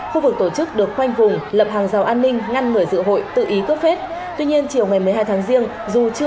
khu vực tổ chức được khoanh vùng lập hàng rào an ninh ngăn người dự hội tự ý cướp phết